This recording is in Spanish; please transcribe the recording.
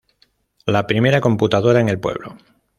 La primera computadora en el Pueblo.